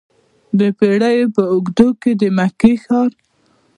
د پیړیو په اوږدو کې د مکې ښار.